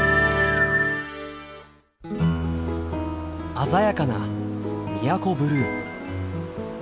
鮮やかな宮古ブルー。